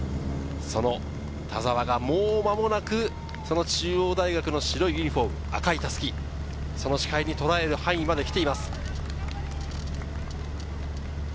田澤がもう間もなく中央大学の白ユニホーム、赤い襷、その視界にとらえる範囲まで来ています。